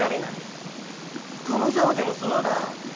金沢でもそうだ。